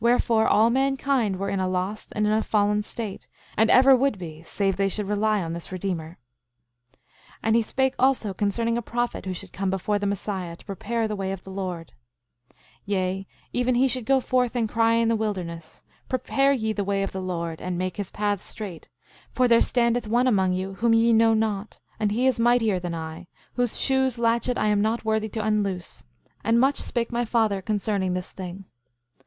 10:6 Wherefore, all mankind were in a lost and in a fallen state, and ever would be save they should rely on this Redeemer. 10:7 And he spake also concerning a prophet who should come before the Messiah, to prepare the way of the Lord— 10:8 Yea, even he should go forth and cry in the wilderness: Prepare ye the way of the Lord, and make his paths straight; for there standeth one among you whom ye know not; and he is mightier than I, whose shoe's latchet I am not worthy to unloose. And much spake my father concerning this thing.